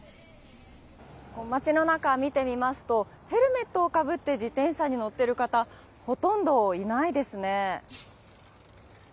街の中を見てみますとヘルメットをかぶって自転車に乗っている方ほとんどいないですね。